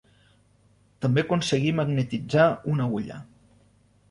També aconseguí magnetitzar una agulla.